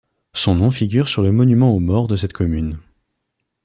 Son nom figure sur le monument aux morts de cette commune.